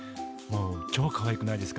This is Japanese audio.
超かわいくないですか？